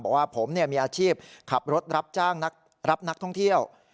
บอกว่าผมมีอาชีพขับรถรับนักท่องเที่ยว